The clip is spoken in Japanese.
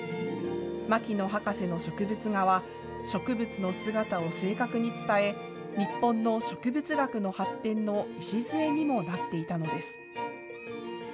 牧野博士の植物画は、植物の姿を正確に伝え、日本の植物学の発展の礎にもなっていたんです。